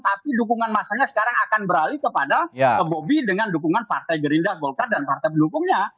tapi dukungan masanya sekarang akan beralih kepada bobby dengan dukungan partai gerindra golkar dan partai pendukungnya